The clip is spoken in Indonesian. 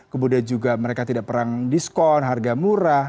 kemudian juga mereka tidak perang diskon harga murah